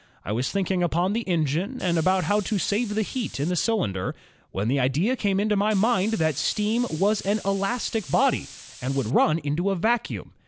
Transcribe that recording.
I was thinking upon the engine and about how to save the heat in the cylinder, when the idea came into my mind that steam was an elastic body and would run into a vacuum.